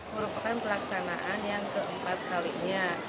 merupakan pelaksanaan yang keempat kalinya